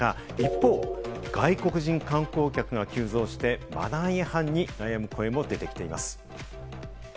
一方、外国人観光客が急増して、マナー違反に悩む声も出てきています。